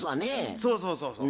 そうそうそうそう。